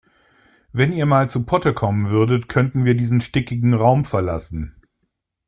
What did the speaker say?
Wenn ihr mal zu Potte kommen würdet, könnten wir diesen stickigen Raum verlassen.